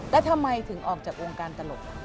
แล้วทำไมถึงออกจากวงการตลก